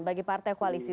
bagi partai koalisi